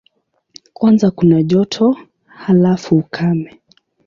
Kwanza kuna joto, halafu ukame.